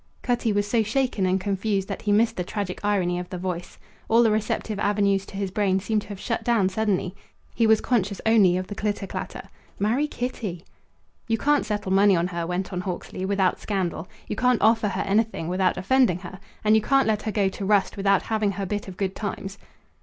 Cutty was so shaken and confused that he missed the tragic irony of the voice. All the receptive avenues to his brain seemed to have shut down suddenly. He was conscious only of the clitter clatter. Marry Kitty! "You can't settle money on her," went on Hawksley, "without scandal. You can't offer her anything without offending her. And you can't let her go to rust without having her bit of good times."